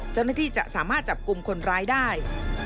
เจ้าหน้าที่จะสามารถจับกลุ่มคนร้ายได้